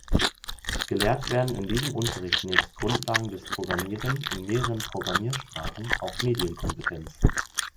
Gelehrt werden in diesem Unterricht nebst Grundlagen des Programmieren in mehreren Programmiersprachen auch Medienkompetenz.